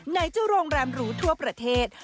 เจ้าโรงแรมหรูทั่วประเทศ